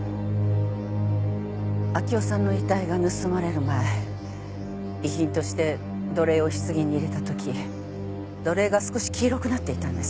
明生さんの遺体が盗まれる前遺品として土鈴を棺に入れたとき土鈴が少し黄色くなっていたんです。